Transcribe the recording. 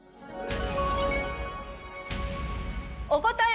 お答え